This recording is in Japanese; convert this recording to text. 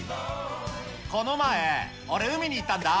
この前、俺海に行ったんだ。